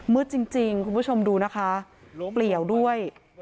จริงคุณผู้ชมดูนะคะเปลี่ยวด้วย